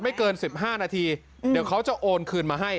ไม่เกินสิบห้านาทีเดี๋ยวเขาจะโอนคืนมาให้